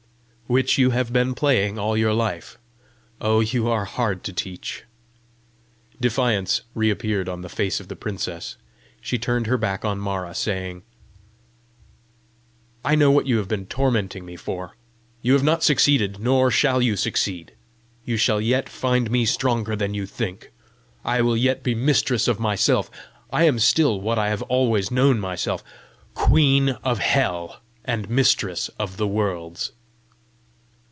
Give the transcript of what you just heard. "Which you have been playing all your life! Oh, you are hard to teach!" Defiance reappeared on the face of the princess. She turned her back on Mara, saying, "I know what you have been tormenting me for! You have not succeeded, nor shall you succeed! You shall yet find me stronger than you think! I will yet be mistress of myself! I am still what I have always known myself queen of Hell, and mistress of the worlds!"